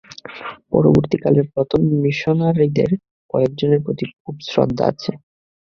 পরবর্তী কালের প্রথম মিশনারীদের কয়েক জনের প্রতি খুব শ্রদ্ধা আছে।